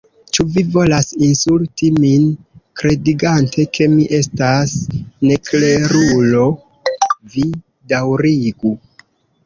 Ĉu vi volas insulti min kredigante ke mi estas neklerulo? vi daŭrigu!"